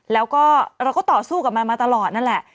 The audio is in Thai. แล้วก็เราก็ต่อสู้กับมันมาตลอดนั่นแหละ